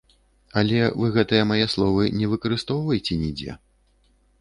Але вы гэтыя мае словы не выкарыстоўвайце нідзе.